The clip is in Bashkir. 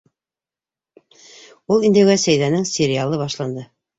Ул инеүгә Сәйҙәнең сериалы башланды.